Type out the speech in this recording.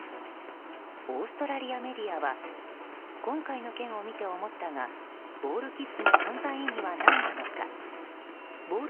オーストラリアメディアは今回の件を見て思ったがボールキッズの存在意義は何なのかボール